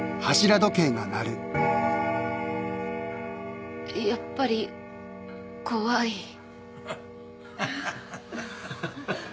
・やっぱり怖い。